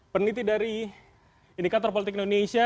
peneliti dari indikator politik indonesia